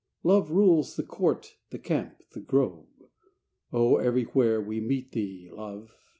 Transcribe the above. Love rules " the court, the camp, the grove " Oh, everywhere we meet thee, Love